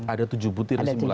ada tujuh butir kesimpulan ya